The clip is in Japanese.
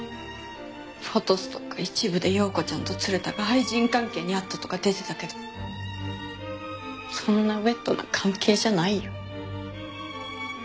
『フォトス』とか一部で庸子ちゃんと鶴田が愛人関係にあったとか出てたけどそんなウェットな関係じゃないよ。